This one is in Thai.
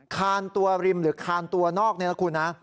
คานตัวริมหรือคานตัวนอกนี่นะคุณนะ